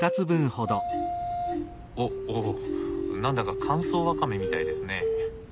おっおっ何だか乾燥わかめみたいですね。